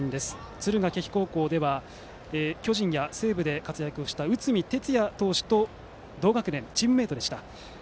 敦賀気比高校では、巨人や西武で活躍した内海哲也投手と同学年、チームメートでした。